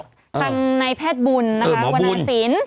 ทางนายแพทย์บุญนะคะวนาศิลป์